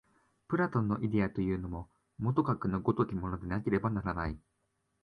プラトンのイデヤというのも、もとかくの如きものでなければならない。